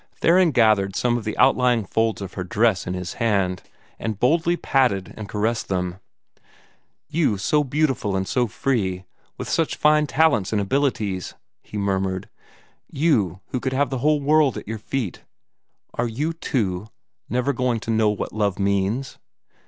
Theron gathered some of the outlying folds of her dress in his hand, and boldly patted and caressed them. "You, so beautiful and so free, with such fine talents and abilities," he murmured; "you, who could have the whole world at your feet are you, too, never going to know what love means?